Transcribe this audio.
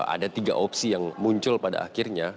ada tiga opsi yang muncul pada akhirnya